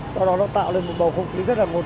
do đó nó tạo lên một bầu không khí rất ngồi